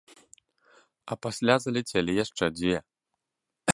А пасля заляцелі яшчэ дзве.